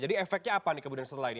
jadi efeknya apa nih kemudian setelah ini